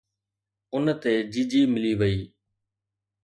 ان تي جي جي ملي وئي